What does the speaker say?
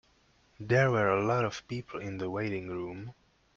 There were a lot of people in the waiting room.